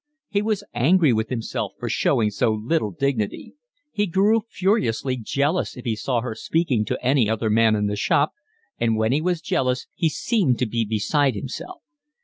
He was angry with himself for showing so little dignity. He grew furiously jealous if he saw her speaking to any other man in the shop, and when he was jealous he seemed to be beside himself.